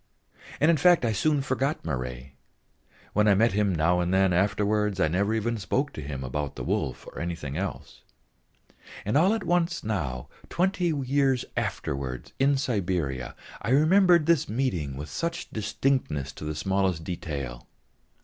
And in fact I soon forgot Marey. When I met him now and then afterwards, I never even spoke to him about the wolf or anything else; and all at once now, twenty years afterwards in Siberia, I remembered this meeting with such distinctness to the smallest detail.